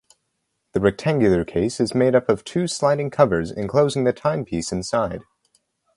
The rectangular case is made up of two sliding covers enclosing the timepiece inside.